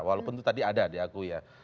walaupun itu tadi ada diakui ya